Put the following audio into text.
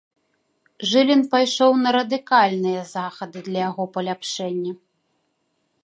Жылін пайшоў на радыкальныя захады для яго паляпшэння.